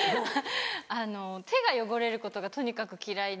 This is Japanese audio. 手が汚れることがとにかく嫌いで。